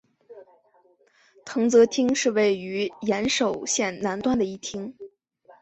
藤泽町是位于岩手县南端的一町。